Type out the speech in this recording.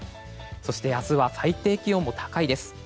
そして明日は最低気温も高いです。